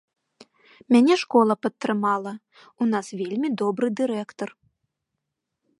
Мяне школа падтрымала, у нас вельмі добры дырэктар.